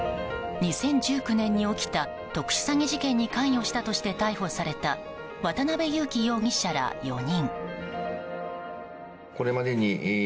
２０１９年に起きた特殊詐欺事件に関与したとして逮捕された渡邉優樹容疑者ら４人。